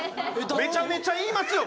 めちゃめちゃ言いますよ